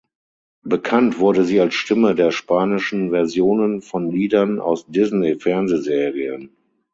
Bekannt wurde sie als Stimme der spanischen Versionen von Liedern aus Disney-Fernsehserien.